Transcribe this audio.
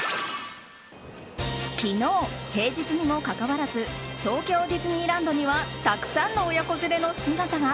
昨日、平日にもかかわらず東京ディズニーランドにはたくさんの親子連れの姿が。